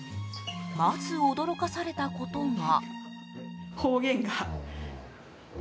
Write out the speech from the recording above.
まず驚かされたことが。